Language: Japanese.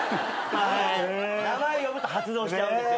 名前呼ぶと発動しちゃうんです。